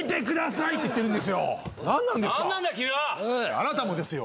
あなたもですよ。